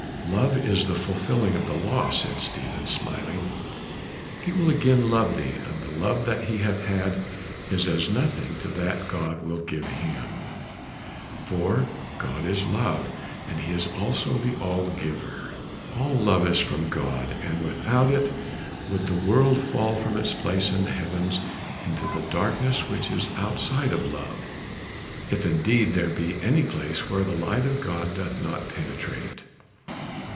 "Love is the fulfilling of the law," said Stephen, smiling. "He will again love thee, and the love that he hath had is as nothing to that God will give him, for God is love, and he is also the all giver. All love is from God, and without it would the world fall from its place in the heavens into the darkness which is outside of love if indeed there be any place where the light of God doth not penetrate."